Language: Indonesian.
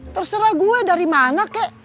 terserah gue dari mana kek